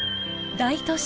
大都市